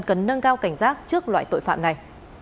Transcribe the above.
cần nâng cao cảnh giác trước loại tội phạm này